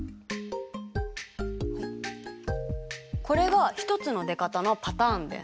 これが一つの出方のパターンです。